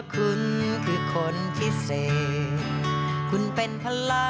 ขอบคุณครับค่ะ